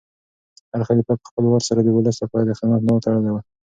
هر خلیفه په خپل وار سره د ولس لپاره د خدمت ملا تړلې وه.